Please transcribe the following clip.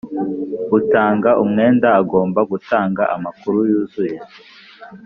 Utanga umwenda agomba gutanga amakuru yuzuye